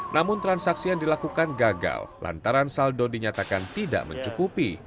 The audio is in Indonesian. namun transaksi yang dilakukan gagal lantaran saldo dinyatakan tidak mencukupi